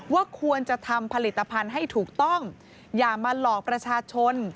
ว่าควรจะทำผลิตภัณฑ์ให้ถูกต้องอย่ามาหลอกประชาชน